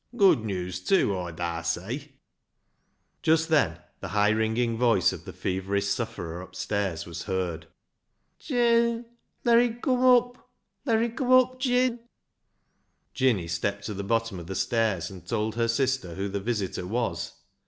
Good news tew. Aw darr say !" Just then the high ringing voice of the feverish sufferer upstairs was heard. " Jin ! ler him come up ; ler him come up, Jin." Jinny stepped to the bottom of the stairs and told her sister who the visitor was.